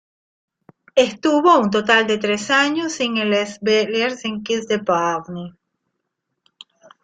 Estuvo un total de tres años en Illes Balears y Caisse d´Epargne.